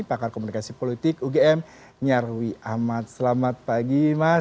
pakar komunikasi politik ugm nyarwi ahmad selamat pagi mas